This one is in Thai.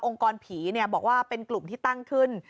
กรผีบอกว่าเป็นกลุ่มที่ตั้งขึ้น